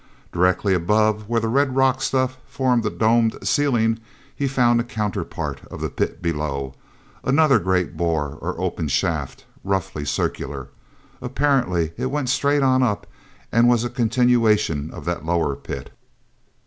Directly above, where the red rock stuff formed a domed ceiling, he found a counterpart of the pit below—another great bore or open shaft, roughly circular. Apparently it went straight on up and was a continuation of that lower pit.